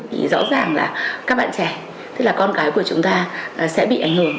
thì rõ ràng là các bạn trẻ thế là con gái của chúng ta sẽ bị ảnh hưởng